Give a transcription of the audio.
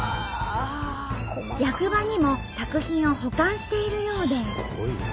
役場にも作品を保管しているようで。